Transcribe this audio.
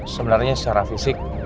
sebenarnya secara fisik